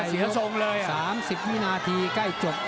เสียทรงเลย๓๐วินาทีใกล้จบ